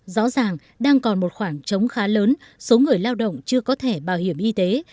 rõ ràng đang còn một khoảng trống khá lớn số người lao động chưa có thẻ bảo hiểm y tế